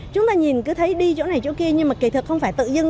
chúng ta nhìn cứ thấy đi chỗ này chỗ kia nhưng mà kỳ thực không phải tự dưng